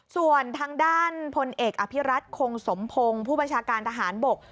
ส่วนทางด้านพลเอกอภิรัตคงสมพงศ์ผู้บัญชาการทหารบก